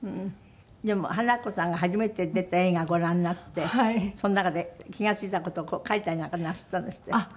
でも華子さんが初めて出た映画をご覧になってその中で気が付いた事を書いたりなんかなさったんですって？